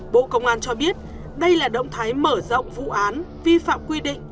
bộ công an cho biết đây là động thái mở rộng vụ án vi phạm quy định